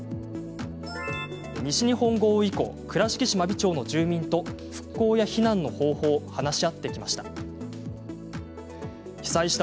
西日本豪雨以降倉敷市真備町の住民と復興や避難の方法を話し合ってきました。